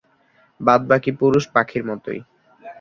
বাদবাকি পুরুষ পাখির মতোই।